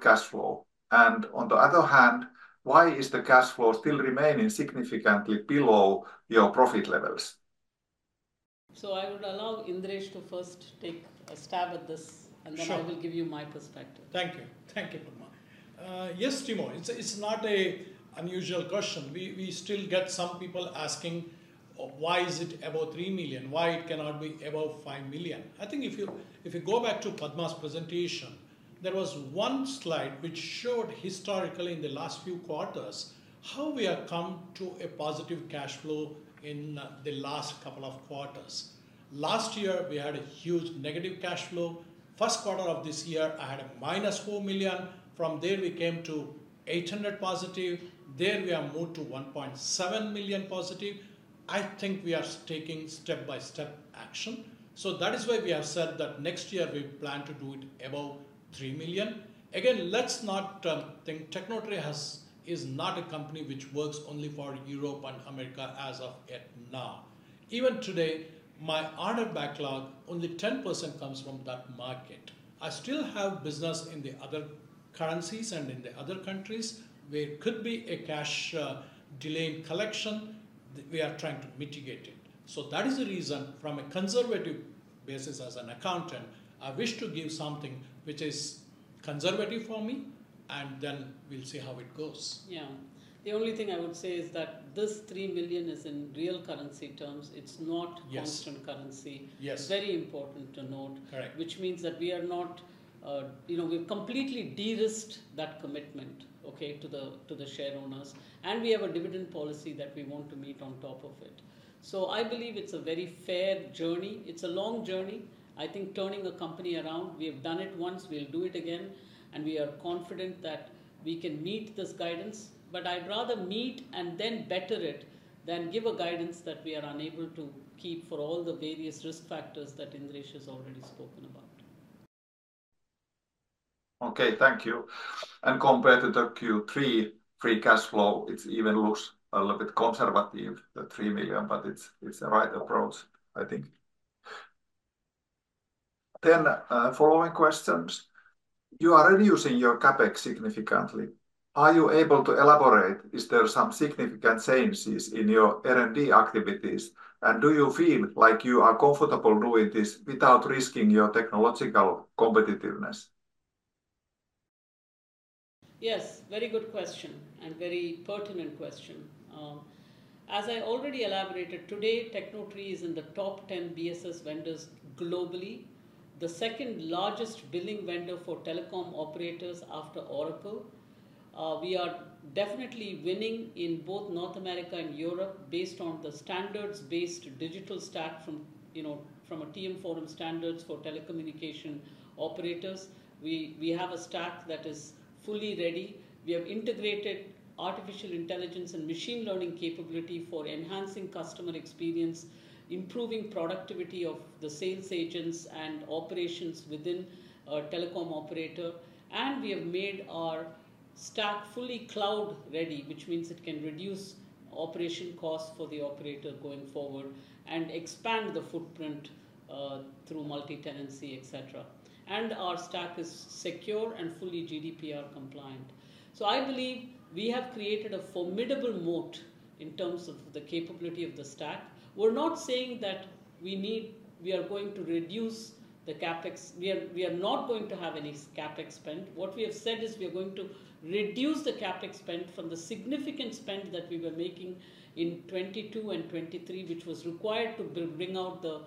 cash flow? And on the other hand, why is the cash flow still remaining significantly below your profit levels? I would allow Indiresh to first take a stab at this. Sure I will give you my perspective. Thank you. Thank you, Padma. Yes, Timo. It's not an unusual question. We still get some people asking why is it above 3 million? Why it cannot be above 5 million? I think if you go back to Padma's presentation, there was one slide which showed historically in the last few quarters how we have come to a positive cash flow in the last couple of quarters. Last year we had a huge negative cash flow. First quarter of this year, I had -4 million. From there we came to 0.8 million positive. Then we have moved to 1.7 million positive. I think we are taking step-by-step action. That is why we have said that next year we plan to do it above 3 million. Again, let's not think Tecnotree has. is not a company which works only for Europe and America as of yet now. Even today, my order backlog, only 10% comes from that market. I still have business in the other currencies and in the other countries where could be a cash delay in collection. We are trying to mitigate it. That is the reason from a conservative basis as an accountant, I wish to give something which is conservative for me, and then we'll see how it goes. Yeah. The only thing I would say is that this 3 million is in real currency terms. It's not. Yes constant currency. Yes. Very important to note. Correct. Which means that we are not, you know, we've completely de-risked that commitment, okay, to the, to the share owners, and we have a dividend policy that we want to meet on top of it. I believe it's a very fair journey. It's a long journey. I think turning the company around, we have done it once, we'll do it again, and we are confident that we can meet this guidance. I'd rather meet and then better it than give a guidance that we are unable to keep for all the various risk factors that Indiresh has already spoken about. Okay. Thank you. Compared to the Q3 free cash flow, it even looks a little bit conservative, the 3 million, but it's the right approach I think. Following questions. You are reducing your CapEx significantly. Are you able to elaborate? Is there some significant changes in your R&D activities, and do you feel like you are comfortable doing this without risking your technological competitiveness? Yes. Very good question, and very pertinent question. As I already elaborated, today, Tecnotree is in the top 10 BSS vendors globally. The second largest billing vendor for telecom operators after Oracle. We are definitely winning in both North America and Europe based on the standards-based digital stack from, you know, from a TM Forum standards for telecommunication operators. We have a stack that is fully ready. We have integrated artificial intelligence and machine learning capability for enhancing customer experience, improving productivity of the sales agents and operations within a telecom operator, and we have made our stack fully cloud-ready, which means it can reduce operation costs for the operator going forward and expand the footprint through multi-tenancy, et cetera. Our stack is secure and fully GDPR compliant. I believe we have created a formidable moat in terms of the capability of the stack. We're not saying that we are going to reduce the CapEx. We are not going to have any CapEx spend. What we have said is we are going to reduce the CapEx spend from the significant spend that we were making in 2022 and 2023, which was required to build, bring out the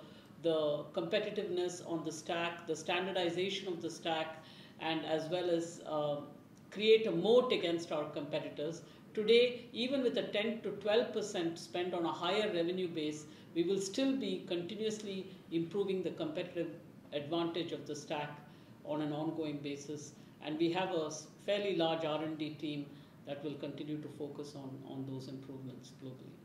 competitiveness on the stack, the standardization of the stack, and as well as create a moat against our competitors. Today, even with a 10%-12% spend on a higher revenue base, we will still be continuously improving the competitive advantage of the stack on an ongoing basis, and we have a fairly large R&D team that will continue to focus on those improvements globally.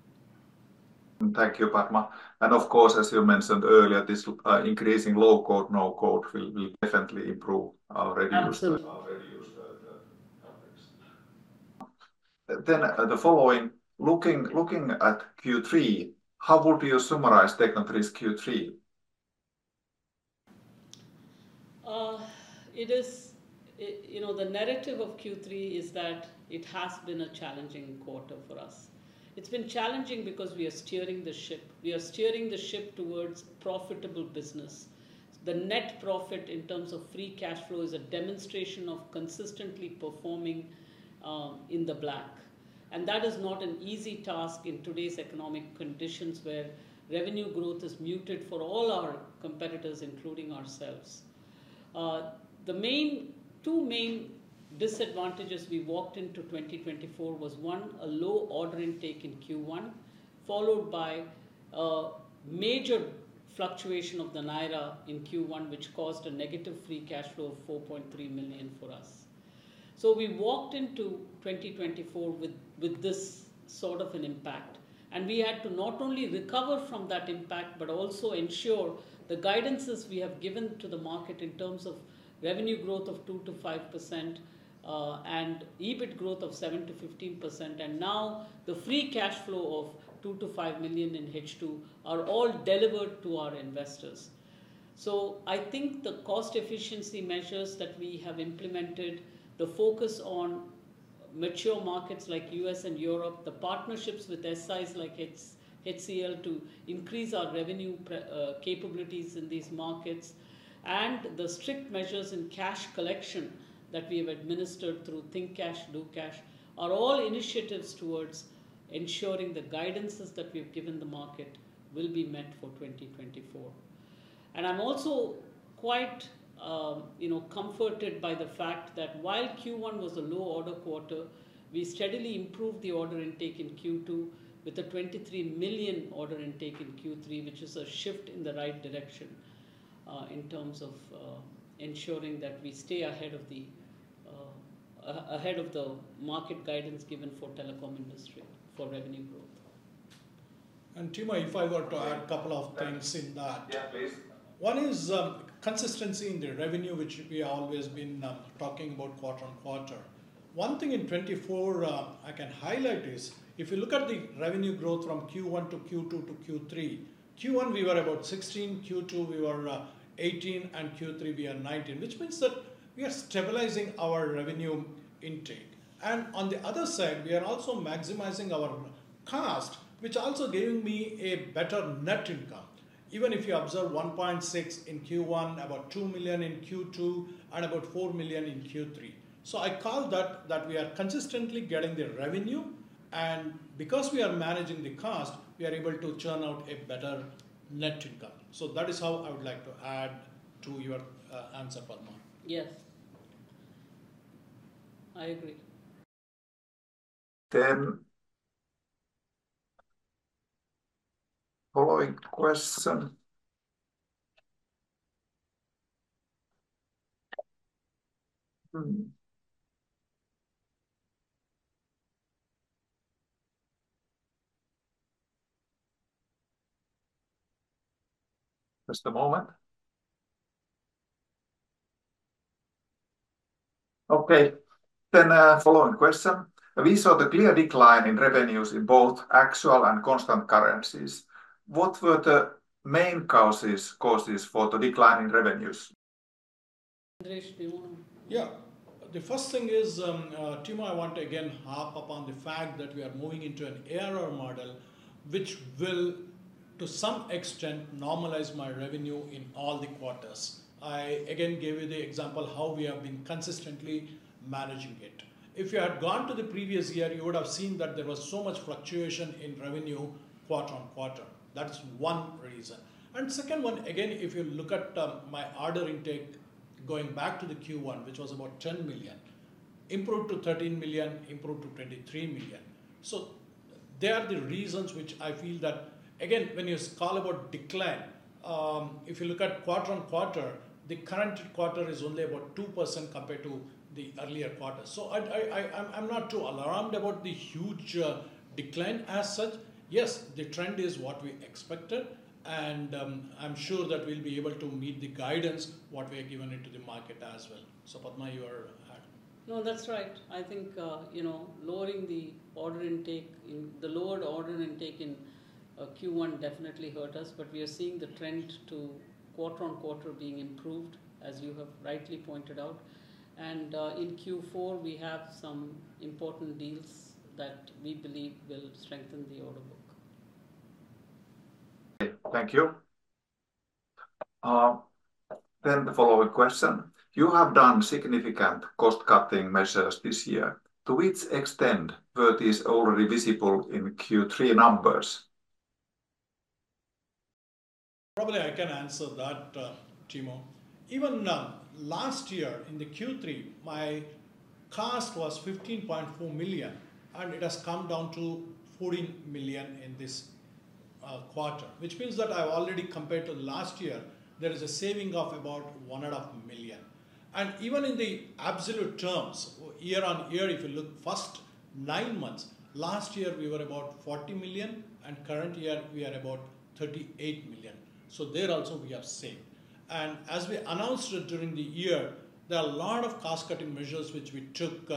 Thank you, Padma. Of course, as you mentioned earlier, this increasing low code, no code will definitely improve our reduced- Absolutely. Looking at Q3, how would you summarize Tecnotree's Q3? You know, the narrative of Q3 is that it has been a challenging quarter for us. It's been challenging because we are steering the ship towards profitable business. The net profit in terms of free cash flow is a demonstration of consistently performing in the black, and that is not an easy task in today's economic conditions where revenue growth is muted for all our competitors, including ourselves. Two main disadvantages we walked into 2024 was, one, a low order intake in Q1, followed by a major fluctuation of the Naira in Q1 which caused a negative free cash flow of 4.3 million for us. We walked into 2024 with this sort of an impact, and we had to not only recover from that impact but also ensure the guidances we have given to the market in terms of revenue growth of 2%-5%, and EBIT growth of 7%-15%, and now the free cash flow of 2 million-5 million in H2 are all delivered to our investors. I think the cost efficiency measures that we have implemented, the focus on mature markets like U.S. and Europe, the partnerships with SIs like HCLTech to increase our revenue capabilities in these markets, and the strict measures in cash collection that we have administered through Think Cash Do Cash are all initiatives towards ensuring the guidances that we've given the market will be met for 2024. I'm also quite comforted by the fact that while Q1 was a low order quarter, we steadily improved the order intake in Q2 with a 23 million order intake in Q3, which is a shift in the right direction, in terms of ensuring that we stay ahead of the market guidance given for telecom industry for revenue growth. Timo, if I were to add a couple of things in that. Yeah, please. One is consistency in the revenue which we always been talking about quarter-on-quarter. One thing in 2024 I can highlight is if you look at the revenue growth from Q1 to Q2 to Q3, Q1 we were about 16%, Q2 we were 18%, and Q3 we are 19%, which means that we are stabilizing our revenue intake. On the other side, we are also maximizing our cost, which also giving me a better net income. Even if you observe 1.6 million in Q1, about 2 million in Q2, and about 4 million in Q3. I call that we are consistently getting the revenue, and because we are managing the cost, we are able to churn out a better net income. That is how I would like to add to your answer, Padma. Yes. I agree. Following question. We saw the clear decline in revenues in both actual and constant currencies. What were the main causes for the decline in revenues? Indiresh, do you want to. Yeah. The first thing is, Timo, I want to again harp upon the fact that we are moving into an ARR model which will, to some extent, normalize my revenue in all the quarters. I, again, gave you the example how we have been consistently managing it. If you had gone to the previous year, you would have seen that there was so much fluctuation in revenue quarter-on-quarter. That's one reason. Second one, again, if you look at my order intake going back to the Q1, which was about 10 million, improved to 13 million, improved to 23 million. They are the reasons which I feel that, again, when you talk about decline, if you look at quarter-on-quarter, the current quarter is only about 2% compared to the earlier quarter. I'm not too alarmed about the huge decline as such. Yes, the trend is what we expected and I'm sure that we'll be able to meet the guidance what we have given into the market as well. Padma, your add. No, that's right. I think, you know, the lower order intake in Q1 definitely hurt us. We are seeing the trend quarter-on-quarter being improved, as you have rightly pointed out. In Q4, we have some important deals that we believe will strengthen the order book. Okay. Thank you. The following question. You have done significant cost-cutting measures this year. To which extent were these already visible in Q3 numbers? Probably I can answer that, Timo. Even last year in the Q3, my cost was 15.4 million, and it has come down to 14 million in this quarter, which means that I've already compared to last year, there is a saving of about 1.5 million. Even in the absolute terms, year-on-year, if you look first nine months, last year we were about 40 million, and current year we are about 38 million. There also we have seen. As we announced during the year, there are a lot of cost-cutting measures which we took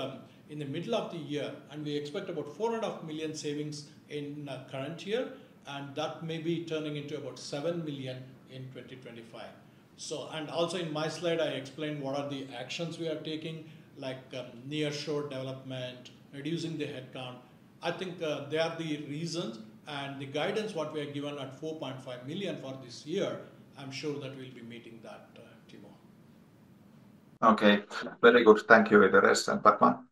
in the middle of the year, and we expect about 4.5 million savings in current year, and that may be turning into about 7 million in 2025. Also in my slide I explained what are the actions we are taking, like, near-shore development, reducing the headcount. I think, they are the reasons. The guidance, what we are given at 4.5 million for this year, I'm sure that we'll be meeting that, Timo. Okay. Very good. Thank you, Inderes and Padma.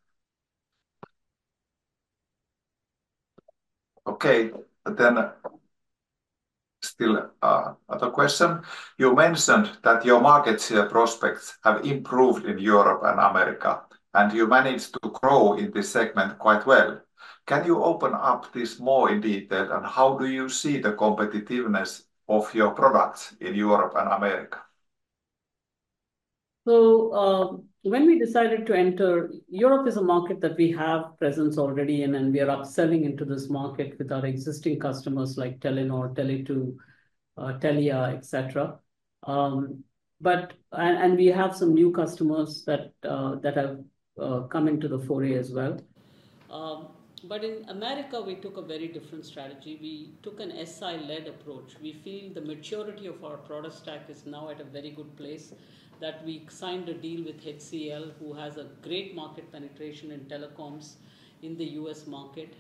Okay then, still, other question. You mentioned that your market share prospects have improved in Europe and America, and you managed to grow in this segment quite well. Can you open up this more in detail, and how do you see the competitiveness of your products in Europe and America? When we decided to enter, Europe is a market that we have presence already in, and we are upselling into this market with our existing customers like Telenor, Tele2, Telia, et cetera. We have some new customers that have come into the foray as well. In America we took a very different strategy. We took an SI-led approach. We feel the maturity of our product stack is now at a very good place, that we signed a deal with HCLTech, who has a great market penetration in telecoms in the U.S. market.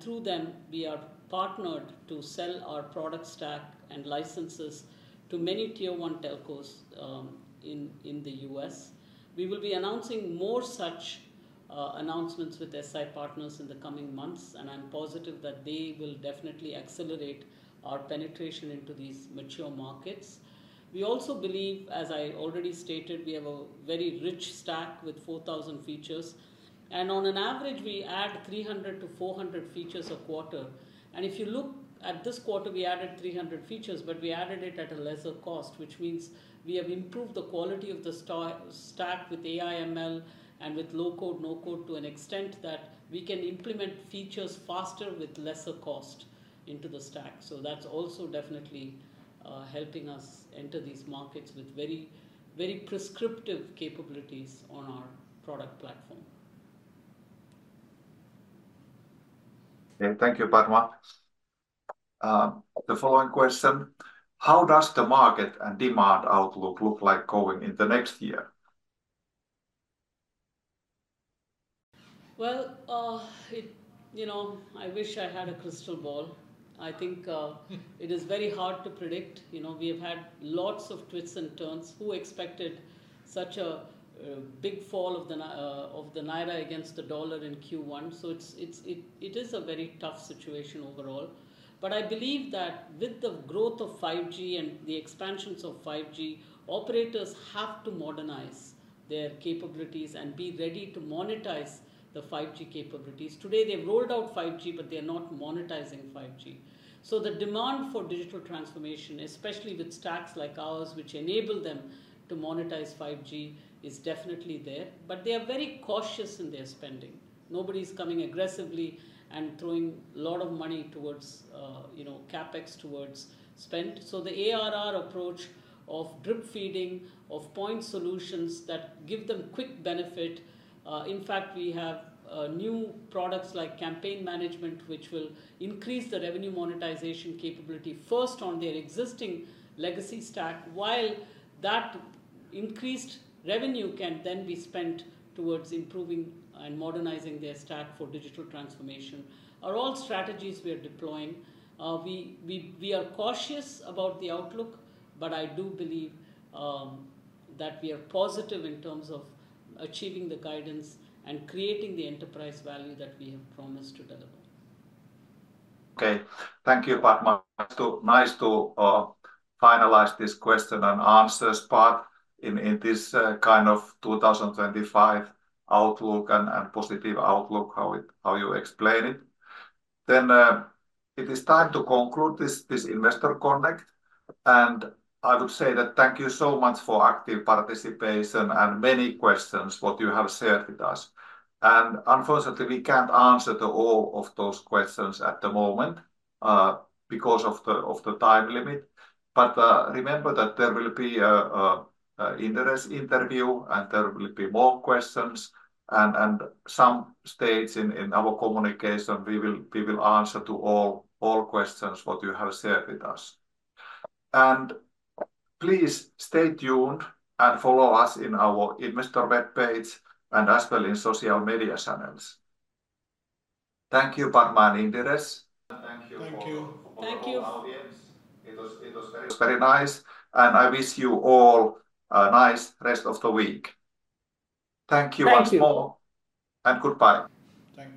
Through them, we are partnered to sell our product stack and licenses to many tier one telcos in the U.S. We will be announcing more such announcements with SI partners in the coming months, and I'm positive that they will definitely accelerate our penetration into these mature markets. We also believe, as I already stated, we have a very rich stack with 4,000 features. On an average, we add 300-400 features a quarter. If you look at this quarter, we added 300 features, but we added it at a lesser cost, which means we have improved the quality of the stack with AI, ML, and with low-code/no-code to an extent that we can implement features faster with lesser cost into the stack. That's also definitely helping us enter these markets with very, very prescriptive capabilities on our product platform. Yeah. Thank you, Padma. The following question: How does the market and demand outlook look like going in the next year? Well, you know, I wish I had a crystal ball. I think, it is very hard to predict. You know, we have had lots of twists and turns. Who expected such a big fall of the Naira against the dollar in Q1? It is a very tough situation overall. I believe that with the growth of 5G and the expansions of 5G, operators have to modernize their capabilities and be ready to monetize the 5G capabilities. Today they've rolled out 5G, but they're not monetizing 5G. The demand for digital transformation, especially with stacks like ours, which enable them to monetize 5G, is definitely there. They are very cautious in their spending. Nobody's coming aggressively and throwing a lot of money towards, you know, CapEx towards spend. The ARR approach of drip feeding of point solutions that give them quick benefit. In fact, we have new products like Campaign Management, which will increase the revenue monetization capability first on their existing legacy stack, while that increased revenue can then be spent towards improving and modernizing their stack for digital transformation, are all strategies we are deploying. We are cautious about the outlook, but I do believe that we are positive in terms of achieving the guidance and creating the enterprise value that we have promised to deliver. Okay. Thank you, Padma. Nice to finalize this question and answers part in this kind of 2025 outlook and positive outlook, how you explain it. It is time to conclude this investor connect. I would say thank you so much for active participation and many questions what you have shared with us. Unfortunately, we can't answer all of those questions at the moment because of the time limit. Remember that there will be a Inderes interview, and there will be more questions. Some stage in our communication, we will answer to all questions what you have shared with us. Please stay tuned and follow us in our investor webpage and as well in social media channels. Thank you, Padma and Inderes. Thank you. Thank you. For our audience. It was very nice, and I wish you all a nice rest of the week. Thank you once more. Thank you. Goodbye. Thank you.